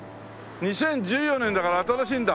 ２０１４年だから新しいんだ。